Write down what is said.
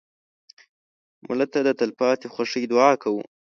مړه ته د تلپاتې خوښۍ دعا کوو